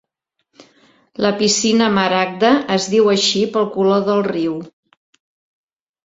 La piscina maragda es diu així pel color del riu.